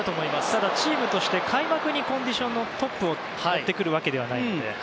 ただ、チームとして開幕にコンディションのトップを持ってくるわけではないので。